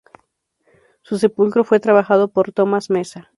Su sepulcro fue trabajado por Tomás Mesa.